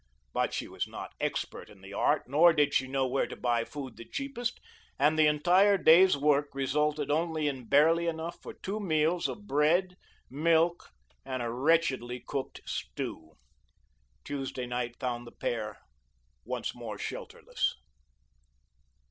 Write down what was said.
But she was not expert in the art, nor did she know where to buy food the cheapest; and the entire day's work resulted only in barely enough for two meals of bread, milk, and a wretchedly cooked stew. Tuesday night found the pair once more shelterless.